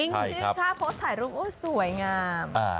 ถ้าโพสต์ถ่ายรูปโอ๊ะสวยงาม